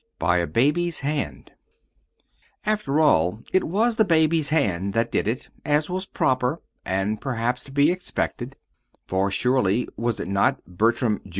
BY A BABY'S HAND After all, it was the baby's hand that did it, as was proper, and perhaps to be expected; for surely, was it not Bertram, Jr.'